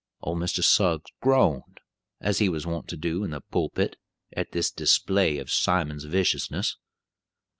Old Mr. Suggs groaned, as he was wont to do in the pulpit, at this display of Simon's viciousness.